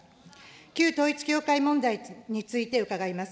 旧統一教会問題について伺います。